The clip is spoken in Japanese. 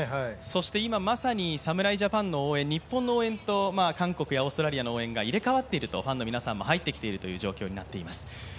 そして今、まさに侍ジャパンの応援、日本の応援と韓国やオーストラリアの応援が入れ替わっていると、ファンの皆さんも入ってきているという状況になっています。